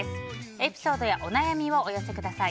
エピソードやお悩みをお寄せください。